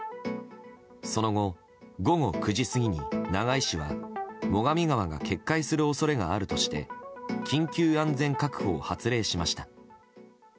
その後、午後９時過ぎに長井市は最上川が決壊する恐れがあるとして緊急安全確保を発令しました。